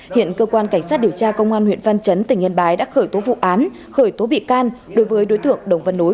hiện cơ quan cảnh sát điều tra công an huyện văn chấn tỉnh yên bái đã khởi tố vụ án khởi tố bị can đối với đối tượng đồng văn nối